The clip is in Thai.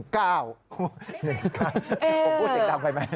๑ก้าวผมพูดเสียงดำไปไหม